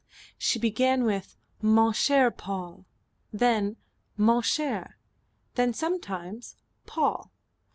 She began with "Mon cher Paul." Then "Mon cher," then sometimes "Paul."